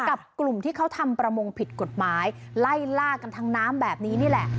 กับกลุ่มที่เขาทำประมงผิดกฎหมายไล่ล่ากันทั้งน้ำแบบนี้นี่แหละ